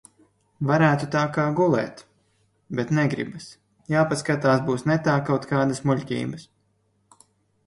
Varētu tā kā gulēt, bet negribas. Jāpaskatās būs netā kaut kādas muļķības.